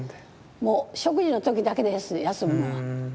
もう食事の時だけです休むのは。